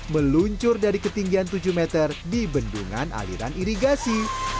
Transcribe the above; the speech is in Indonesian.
meluncur dari ketinggian tujuh meter di bendungan aliran irigasi